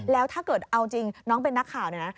แล้วถ้าเกิดเอาจริงน้องเป็นนักข่าวเนี่ยนะ